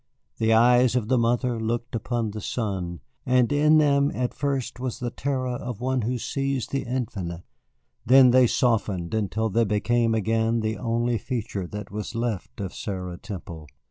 The eyes of the mother looked upon the son, and in them at first was the terror of one who sees the infinite. Then they softened until they became again the only feature that was left of Sarah Temple.